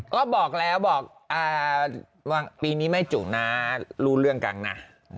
ก็บอกแล้วบอกปีนี้ไม่จุนะรู้เรื่องกันนะ